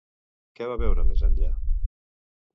Què va veure més enllà?